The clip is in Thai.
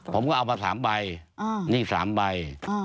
ผมก็เอามา๓ใบนี่๓ใบ